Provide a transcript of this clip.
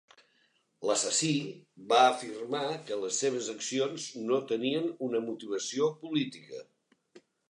L'assassí va afirmar que les seves accions no tenien "una motivació política".